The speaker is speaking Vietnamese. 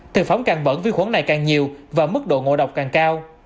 thực phóng càng bẩn viêm khuẩn này càng nhiều và mức độ ngộ độc càng cao